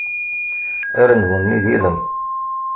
Arenbu-nni d ilem.